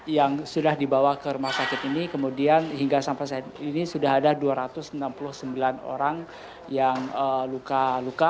yang sudah dibawa ke rumah sakit ini kemudian hingga sampai saat ini sudah ada dua ratus enam puluh sembilan orang yang luka luka